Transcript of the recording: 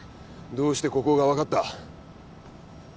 どうしてここがわかった？